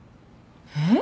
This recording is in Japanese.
えっ？